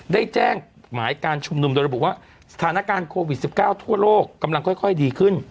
ได้แจ้งหมายการชุมนุมโดยระบุว่าสถานการณ์โควิด๑๙ทั่วโลกกำลังค่อยดีขึ้น